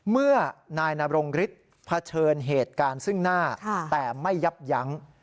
เมื่อนายนรงฤทธิ์เผชิญเหตุการณ์ซึ่งหน้าแต่ไม่ยับยั้ง